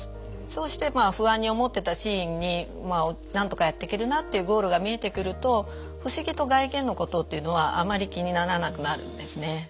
そうして不安に思ってたシーンになんとかやっていけるなっていうゴールが見えてくると不思議と外見のことっていうのはあんまり気にならなくなるんですね。